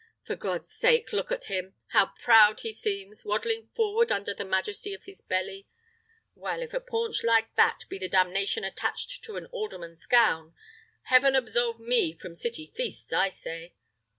For God's sake, look at him! How proud he seems, waddling forward under the majesty of his belly! Well, if a paunch like that be the damnation attached to an alderman's gown, heaven absolve me from city feasts, I say!